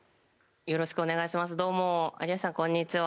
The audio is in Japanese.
こんにちは